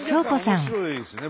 面白いですね。